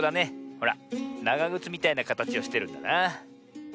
ほらながぐつみたいなかたちをしてるんだな。